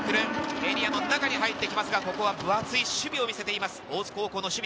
エリアの中に入っていきますが、ここは分厚い守備を見せています、大津高校。